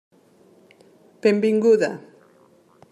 Benvinguda.